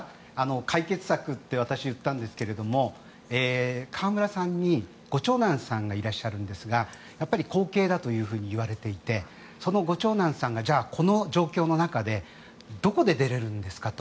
解決策って私言ったんですが河村さんにご長男さんがいらっしゃるんですが後継だというふうにいわれていてそのご長男さんがこの状況の中でどこで出れるんですかと。